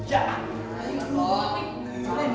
jangan lupa main di sini ya om